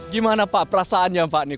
gimana pak perasaannya pak